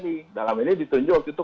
tni dalam ini ditunjuk itu